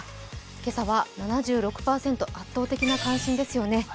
今朝は７６％、圧倒的な関心ですよね。